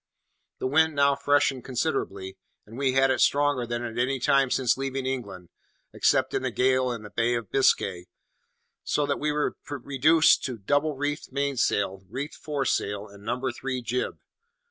The wind now freshened considerably, and we had it stronger than at any time since leaving England, except in the gale in the Bay of Biscay, so that we were reduced to double reefed mainsail, reefed foresail, and number three jib.